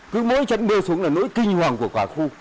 cứ mỗi trận mưa xuống là nỗi kinh hoàng của cả khu